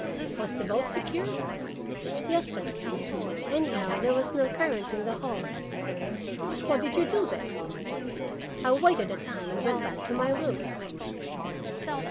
"Was the boat secured?" "Yes, sir. Anyhow, there was no current in the hall." "What did you do then?" "I waited a time and went back to my room."